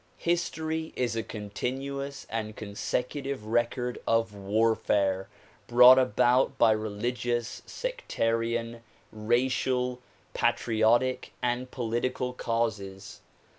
History is a continuous and consecutive record of warfare brought about by religious, sectarian, racial, patriotic and political causes.